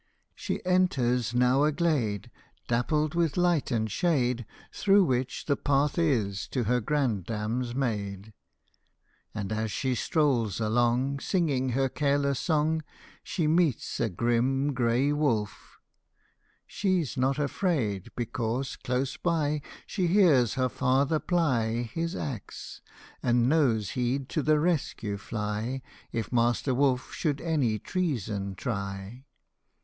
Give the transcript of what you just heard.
She enters now a glade, Dappled with light and shade, Through which the path is to her grandam's made; And as she strolls along, Singing her careless song, She meets a grim grey wolf. She 's not afraid, Because close by She hears her father ply His axe, and knows he'd to the rescue fly If Master Wolf should any treason try.